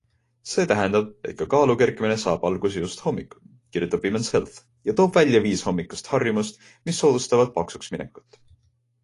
See tähendab, et ka kaalu kerkimine saab alguse just hommikul, kirjutab Women's Health ja toob välja viis hommikust harjumust, mis soodustavad paksuksminekut.